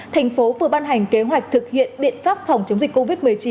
tp hcm vừa ban hành kế hoạch thực hiện biện pháp phòng chống dịch covid một mươi chín